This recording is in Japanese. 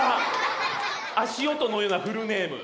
足音のようなフルネーム。